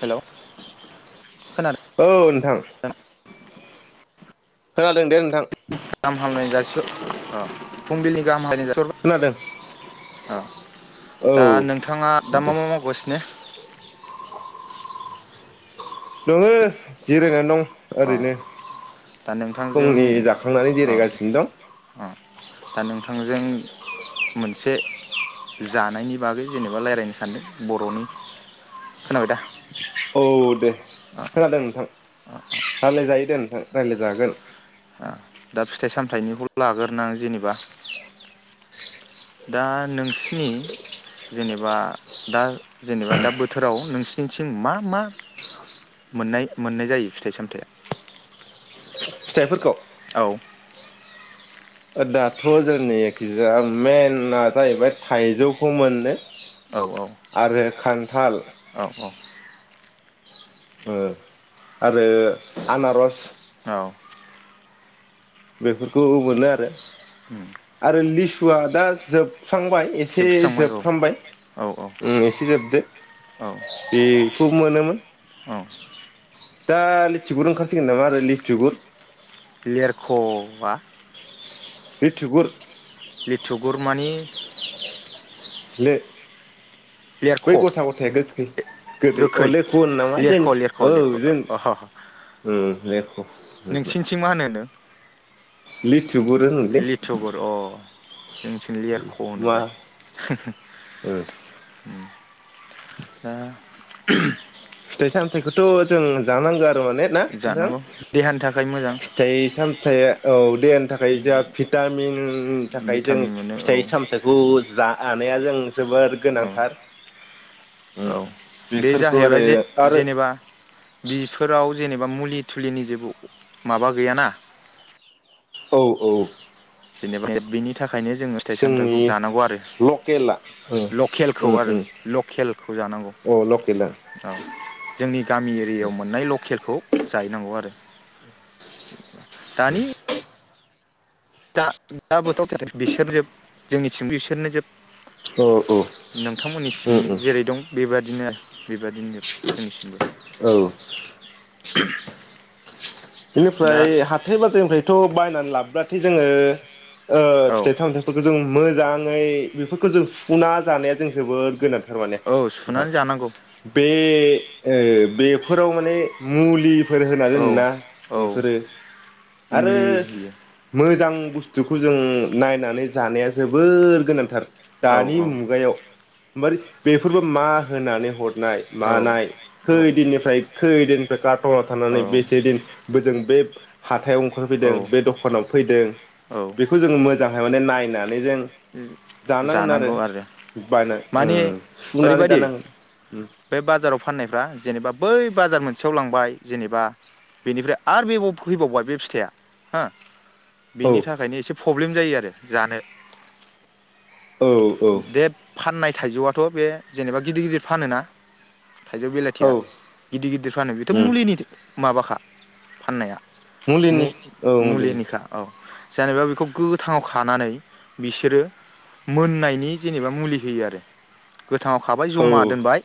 Hello खोनादों औ नोंथां। खोनादों दे नोंथां। गामहाम हामलायनाय जासि हर अ फुंबिलिनि गाहाम हाय जासि खोनादों हरबाय अ दा औ नोंथाङा दा दे मा मा मावगासिनो? नोङो जिरायनानै दं अ ओरैनो दा नोंथांजों फुंनि जाखांनानै अ जिरायगासिनो दं। अ दा नोंथांजों मोनसे जानायनि बागै जेनेबा रायज्लायनो सानदों बर'नि खोनाबाय दा? औ दे। खोनादों नोंथां। रायज्लाय जायो दे नोंथां रायज्लायजागोन। आं दा फिथाइ सामथाइनिखौल लाग्रोनो आं जेनेबा दा नोंसिनि जेनेबा दा जेनेबा दा बोथोराव नोंसिनिथिम मा मा मोननाय मोननाय जायो फिथाइ सामथाइया? फिथाइफोरखौ औ। दाथ' जोंनि एखिजाया मेना जाहैबाय थाइजौखौ मोनो। औ औ आरो खान थाल औ औ। ओ आरो आनारस। औ। बेफोरखौ मोनो आरो। आरो लिस सुवादा जोब सुस्रांबाय एसे जोबस्रांबाय औ जोबफ्रामबाय औ औ ओम एसे जोबदो औ बेखौ मोनोमोन। औ दा लिथिगुर ओंखारसिगोन नामा आरो लिथिगुर। लेरखआ बे थुबुर लिथुगुर मानि ले लेरख' बै गथा गथाया गोखै गोदै अ गोखै लेख' होन नामा जों लेरख' लेरख' औ लेरख' जों अह लेख' नोंसिनिथिं मा होनोनो लिथुगुर होनोलै। जोंनिथिं लेरग मा होनोलाय। उम दा फिथाइ सामथायाइखौथ' जों जानांगो आ ना नोंथां जानांगौ देहानि थाखाय मोजां फिथाइ सामथाइ औ देहानि थाखाय जोंहा भिटामिननि थाखाय जों भिटामिन मोनो औ फिथाइ सामथाइखौ जा नाया जों जोबोर औ गोनांथार। उम औ बे बेफोरखौ आरो जाहैबाय जे आरो जेनेबा बिसफोराव खौ जेनेबा मुलि थुलिनि जेबो माबा गैया ना। औ औ। जेनेबा एबबिनि। थाखायनो जोङो फिथाइ सामथाइखौ जोंनि जानांगौ आरो लकेला उम लकेलखौ उम आरो उम लकेलखौ जानांगौ औ लकेला औ जोंनि गामि एरियायाव मोननाय लकेलखौ। जाहैनांगौ आरो जेनोबा। दानि दा दा बोथोर बिसोरनो जोब जोंनिथिंबो बिसोरनो जोब औ [unintelligible] नोंथांमोननि सिं उम उम जेरै दं बेबा दिनो बेबादिनो दिनैसिमबो। औ [unintelligible] बेनिफ्राय हाथाय बाजारनिफ्रायथ'। बायनानै लाबब्लाथाय जोङो ओ औ फिथाइ सामथथायाइफोरखौ जों मोजां फ्राय बेफोरखौ जों सुफुना जानाया जों जोबोद गोनां थारमाने औ नोंथां सुनानै जानांगौ बे ओ बेफोराव माने मुलि फोर होना औ दोनोना औ बेफोरो आरो मुलि होयो मोजां बुस्थुखौ जों नायनानै जानाया जोबोर गोनांथार औ दानि औ मुगायाव मोरबेफोरबो मा होनानै हद नाय औ मानाय खैदिननिफ्राय खैदिन काटना थानानै औ बेसे दिन जों बे हाथायाव औ ओंखारफैदों बे दखानाव फैदों औ बेखौ जोङो मोजांहाय माने नाय फैनानै जों जानांगोन आरो बायना माने ओम सुनानै ओरैबायदि जानांगोन ओम बे बाजाराव फाननायफ्रा जेनेबा बै बाजार मोनसेयाव लांबाय जेनेबा बेनिफ्राय आरो बे फैबावबाय बे फिथाइया हो औ बिनि थाखायनो एसे प्रब्लेम जायो आरो जानो औ औ बे फाननाय थाइजौआथ' बे जेनेबा गिदिर गिदिर फानोना थाइजौ बेलाथिया औ गिदिर गिदिर फानो बेथ' मुलिनि माबाखा फाननाया मु मुलिनि औ मुलिनि मुलिनिखा औ जेनेबा बेखौ गोथाङाव खानानै बिसोरो मोननायनि जेनेबा मुलि होयो आरो गोथाङाव खाबाय औ जमा दोनबाय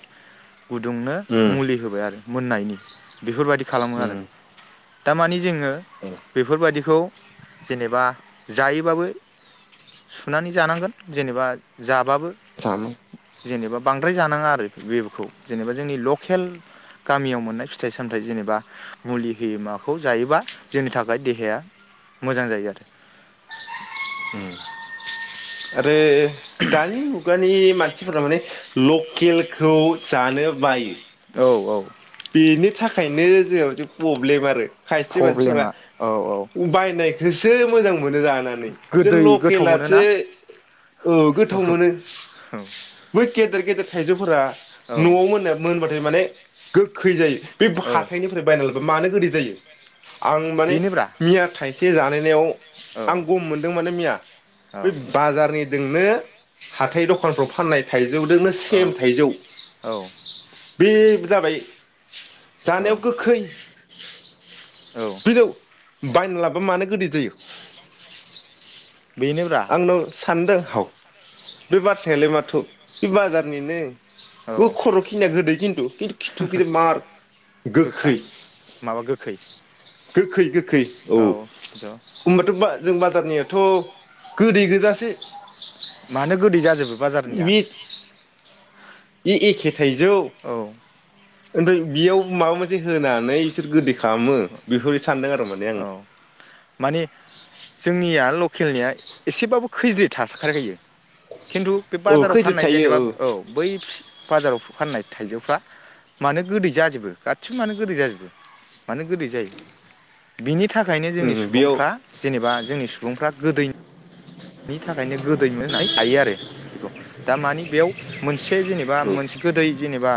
गुदुंनो मुलि होबाय आरो मोननायनि बेफोरबायदि खालामो आरो दा मानि जोङो बेफोरबायादिखौ जेनेबा जायोबाबो सुनानै जानांगोन जेनेबा जा साम' जेनेबा बांद्राय जानाङा आरो बेखौ जेनेबा जोंनि लकेल गामियाव मोननाय फिथाइ सामथाइ जेनेबा मुलि होयै माखौ जायोबा जोंनि थाखाय देहाया मोजां जायो आरो [unintelligible] [unintelligible] आरो दानि मुगानि मानसिफोरा माने लकेलखौ जानो बायो औ बेनि थाखायनो बे आव सो प्रब्लेम आरो खायसे मानसिफोरा प्रब्लेमा औ औ बायनाय खौसो मोजां मोनो जानानै जों गोदै गोथाव मोनोना लकेलासो औ गोथाव मोनो बै गेदेर गेदेर थाइजौफोरा औ न'आव मोनया मोनबाथाय माने गोखै जायो बे औ बहाथाइनिफ्राय बायनाबब्ला मानो गोदै जायो आं माने बेनोब्रा मिया थाइ से जानायनायाव औ आं गम मोन दों माने मिया औ बै बाजारनि जोंनो हाथाय दखानफ्राव फाननाय थाय जौदोंनो सेम थाइजौ औ बे जाबाय जानायाव गोखै औ गोजौ बायना लाबोबा मानो गोदै जायो बेनोब्रा आंनाव सानदों हाव बे बाथ्रायालाय माथो बे बाजारनिनो औ ब खर' खिनिया गोदै खिन्थु खिन्थु खिथुखै मार गोखा गोखै माबा गोखै गोखै गो खै औ होनबाथ' बा जों बाजारनिया थ' गोदै गोजासो मानो गोदै जाजोबो बाजारनिया इ एखे थायजौ औ ओमफ्राय बेयाव माबा मोनसे होनानै बिसोर गोदै खालामो बेफोरबादि सानदों आरो माने आं। औ लखेलनिया एसेबाबो खैज्रिथ थाथारखायो। खिन्थु बे औ बाजाराव खैजोब फाननाय थायो जेनेबा औ बै बाजाराव फाननाय थाइजौफ्रा मानो गोदै जाजोबो गासिबो मानो गोदै जाजोबो। मानो गोदै जायो बि नि थाखायनो जोंनि उम बेयाव सुबुंफ्रा जेनेबा जोंनि सुबुंफ्रा गोदै बिनि थाखायनो गोदैनो होननै हायो आरो। दा मानि बेयाव मो बे जेनेबा औ मोनसे गोदै जेनेबा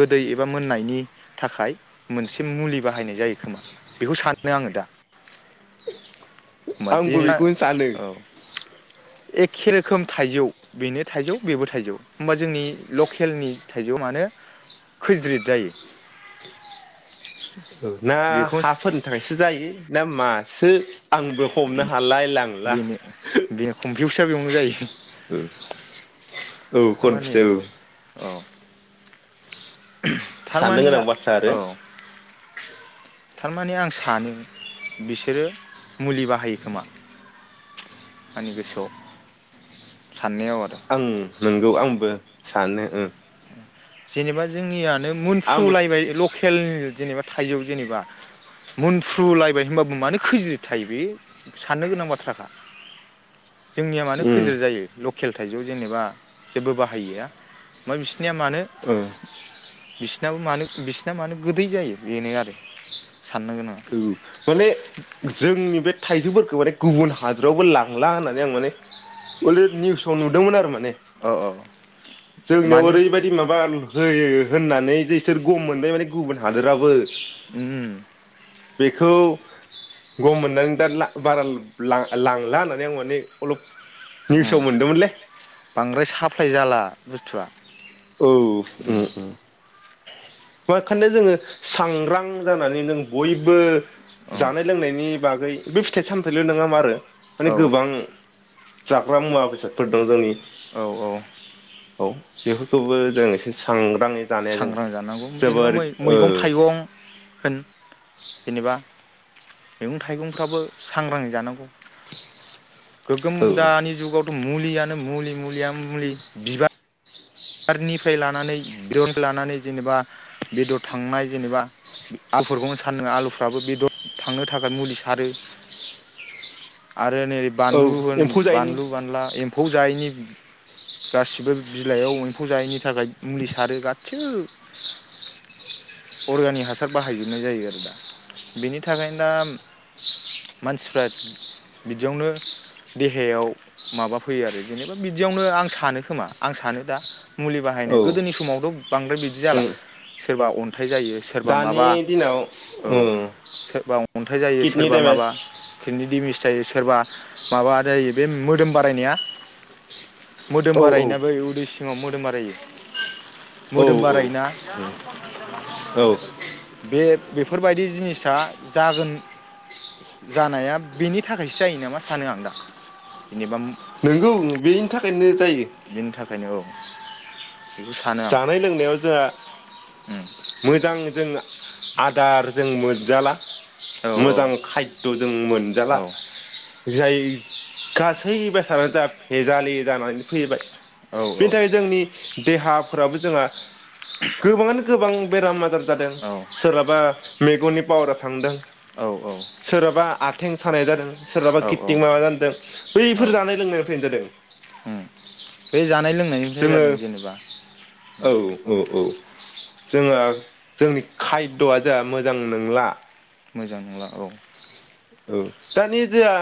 गोदै एबा मोननायनि थाखाय मोनसे मुलि बाहायनाय जायो खोमा बेखौ सानो आङो दा। होमबा आंबो जेनेबा बेखौनो सानो। औ एखे रोखोम थाइजौ बेनो थाइजौ बेबो थाइजौ होमबा जोंनि लकेलनि थाइजौ मानो खोज्रिद जायो? ओ ना बेखौ हाफोरनि थाखायसो जायो ना मा? सो आंबो हमनो हालाय लांला। नो जायो। ओ औ थारमाने कनपिउज औ। औ सान्नो थारमाने गोनां बाथ्रा आरो [inaudible] औ थारमाने आं सानो बिसोरो मुलि बाहायो खोमा आंनि गोसोआव। साननायाव आरो आं नंगौ आं बो सानो ओ जेनेबा जोंनिया नो आंबो मोनफ्रुलायबाय लकेल जेनेबा थाइजौ जेनेबा मुनफ्रुलायबाय होमबाबो मानो खोज्रिद थायो बे साननो गोनां बाथ्राखा। जोंनिया मानो उम खैज्रिद जायो ल खेल थाइजौ जेनेबा जेबो बाहायिआ [unintelligible] जोंनिया मानो ओ औ बिसिनाबो मानो बिसिना मानो गोदै जायो बेनो आरो साननो गोनाङा। माने जोंनि बे थाइजौफोरखौ माने गुबुन हादरावबो लांला होननानै आं माने अलरे निउसआव नुदोंमोन आरो माने औ औ जोंनियाव मानि ओरैबायदि माबा होयो होननानै जेइसोर गम मोनबाय माने गुबुन हादोराबो उम। बेखौ गम मोननानै दा लां बारा लां-लां-लांला होननानै आं माने अलप निउसाव उम मोनदोंमोनलै बांद्राय साफ्लाय जाला बुस थुवआ। औ उम उम। मा खाननो जोङो सांग्रां जाना नानै नों बयबो जानाय लोंनायनि बागै बे फिथाइ सामथायल' नङा मा आरो माने औ गोबां जाग्रा मुवा बेसादफोर दं जोंनि औ औ। औ जेबो खौबो जों एसे सांग्राङै जानाया जों सांग्रां जानांगौ जेनेबा जोबोर ओ मै-मैगं थाइगं होन जेनेबा मैगं थाइगंफ्राबो सांग्राङै जानांगौ। गोगोम औ दानि जुगावथ' मुलियानो मुलि मुलिया मुलि बिबार बिबारनिफ्राय लानानै बेदरनफ्राय लानानै जेनेबा बेदर थांनाय जेनेबा आलुफोरखौनो सान नोङो आलुफ्राबो बेदर थांनो थाखाय मुलि सारो। आरो नैै औ बानलु होन एम्फौ जायैनि बानलु बानला एम्फौ जायैनि गासिबो बिलाइयाव एम्फौ जायैनि थाखाय मुलि सारो गासैबो अरगानिक हासार बाहायजोबनाय जायो आरो दा बेनि थाखायनो दा मानसिफ्रा बिदियावनो देहायाव माबा फैयो आरो जेनेबा बिदियावनो आं सानो खोमा आं सानो दा मुलि औ बाहायनाय गोदोनि समावथ' बांद्राय बिदि जाला जों सोरबा अन अन्थाइ जायो सोरबा दानि माबा दिनाव औ उम सोरबा अन्थाइ जायो किडनि सोरबा देमेज माबा खिनि दिमिस जायो सोरबा माबा जायो बे मोदोम बारायनाया मोदोम औ औ बारायना बै उदैसि ङाव मोदोम बारायो। औ मोदोम औ बारायोना उम औ। बे बेफोरबायदि जिनिसा जागोन जानाया बेनि थाखायसो जायो नामा सानो आं दा। जेनेबा म नोंगौ बेनि थाखायनो जायो बिनि थाखायनो औ। बेखौ सानो आं जानाय लोंनायाव जोआ उम मोजां जों आदार जों मोन जाला। औ औ मोजां खायद' जों मोनजाला औ जाय गासै बेसादानो जा फेजालि जानानै फैबाय औ बेनि थाखाय जोंनि देहा फोराबो जोंहा गोबाङानो गोबां बेराम आजाराज जादों औ सोरहाबा मेगननि पावारा थांदों। औ सोरहाबा आथें सानाय जादों सोरहाबा औ कित्तिं माबा जादों औ बैफोर जानाय लोंनायनिफ्रायनो जादों उम बे जानाय लोंनायनिफ्राय जोङो जादों जेनेबा औ औ औ। जोङो जोंनि खायद'आ जोंहा मोजां नंला। मोजां नंला औ। औ दानि जाया।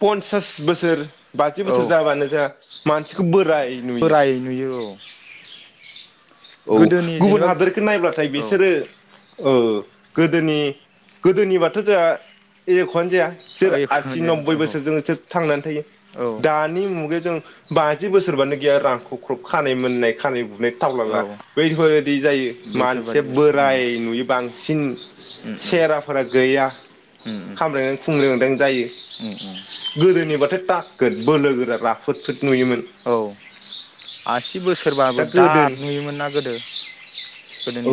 पन्सास बोसोर बाजि बोसोर औ जाबानो जोंहा मानसिखौ बोराय नुयो। बोराय नुयो औ औ गोदोनि गुबुन जेनेबा हादोरखौ नायब्लाथाय औ बिसोरो ओ। गोदोनि गोदोनिबाथ' जोंहा एख'आनो जाया। औ सिरि एखुनु आसि जाया नोबबै औ बोसोर जों सोर थांनानै थायो औ दानि मुगायाव जों बाजि बोसोरबानो गैया रांखौ ख्रब खानाय मोननाय खानाय बु नै टावलाला औ बैफोरदि जायो मानसिया बैफोरबादि उम बोराय नुयो बांसिन उम उम सेराफोरा गैया उम खामलांदों खुंलेंदों जायो उम उम उम गोदोनिबाथ' था बोलो गोरा राफोद फोद। नुयोमोन औ आसि बोसोर दा सोरबाबो गोदो दाद नुयोमोन ना गोदो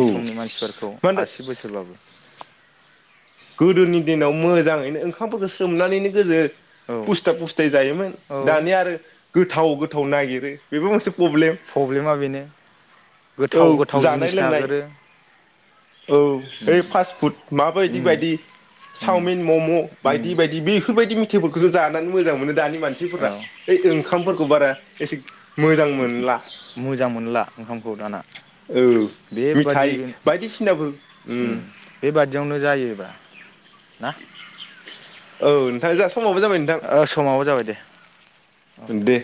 औ समनि मानसिफोरखौ मा होनदों आसि बोसोरबाबो गोदोनि दिनाव मोजाङैनो ओंखामफोरखौ सोमनानैनो गोजो औ फुस्था फुस्थाय जायोमोन औ दानिया आरो गोथाव गोथाव नागिरो बेबो मोनसे अबले प्रब्लेमा बेनो औ गोथाव गोथाव जानाय जिनिस लोंनाय नागिरो औ ओ उम फास फुद माबायदि। उम बायदि उम चावमिन मम' उम बायदि बायदि बेफोरबाय जानानै मोजां मोनो। दानि मानसिफोरा औ ओइ ओंखामफोरखौ बारा एसे मोजां मोनला मोजां मोनला ओंखामखौ दाना औ बेबादि मिथाइ बायदिसिनाफोर उम ओम बेबादियावनो जो जायोबा ना औ नोंथां जास ओ समाबो जाबाय दे औ दे